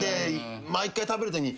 毎回食べるときに。